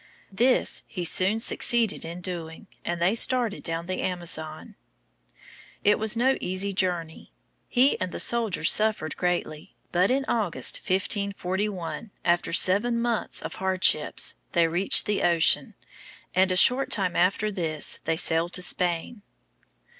This he soon succeeded in doing, and they started down the Amazon. It was no easy journey. He and the soldiers suffered greatly. But in August, 1541, after seven months of hardships, they reached the ocean, and a short time after this they sailed to Spain.